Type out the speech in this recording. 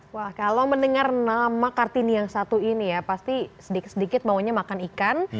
wah kalau mendengar nama kartini yang satu ini ya pasti sedikit sedikit maunya makan ikan